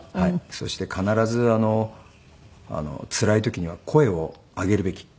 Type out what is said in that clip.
そして必ずつらい時には声を上げるべき。